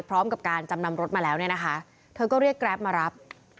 พร้อมกับการจำนำรถมาแล้วเนี่ยนะคะเธอก็เรียกแกรปมารับ